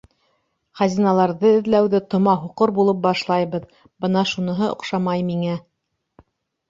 Хазиналарҙы эҙләүҙе тома һуҡыр булып башлайбыҙ, бына шуныһы оҡшамай миңә.